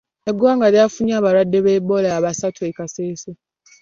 Eggwanga lyafunye abalwadde ba Ebola basatu e Kasese.